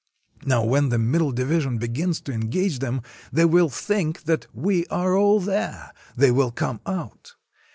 Now when the middle division begins to engage them, they will think that we are all there — they will come out.